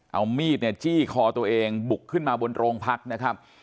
เอามีดเนี่ยจี้คอตัวเองบุกขึ้นมาบนโรงพักนะครับ